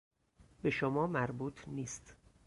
به شما مربوط نیست.